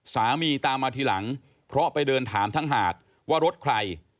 สามีตามมาทีหลังเพราะไปเดินถามทั้งหาดว่ารถใคร